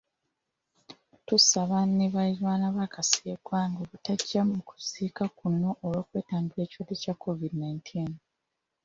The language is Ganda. Tusaba ne balirwana ba Kasirye Gwanga obutajja mu kuziika kuno olw'okwetangira ekirwadde kya COVID nineteen.